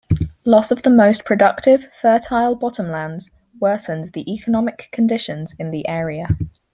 Loss of the most productive, fertile bottomlands worsened the economic conditions in the area.